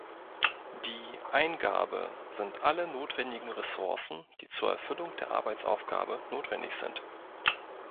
Die "Eingabe" sind alle notwendigen Ressourcen, die zur Erfüllung der Arbeitsaufgabe notwendig sind.